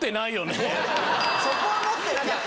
そこは持ってなかった。